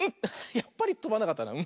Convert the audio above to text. やっぱりとばなかったな。